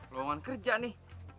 ruangan kerja nih